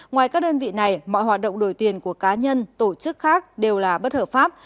ngoài các đơn vị này mọi hoạt động đổi tiền của cá nhân tổ chức khác đều là bất hợp pháp